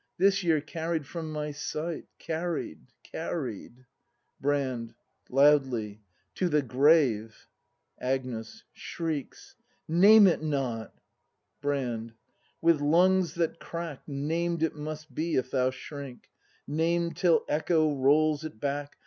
This year carried from my sight; Carried — carried Brand. [Loudly.] To the grave! Agnes. [Shrieks.] 155 Name it not! Brand. With lungs that crack. Named it must be, if thou shrink — Named, till echo rolls it back.